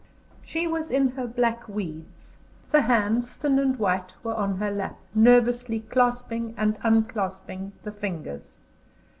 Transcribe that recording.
She was in her black weeds; the hands, thin and white, were on her lap, nervously clasping and unclasping the fingers.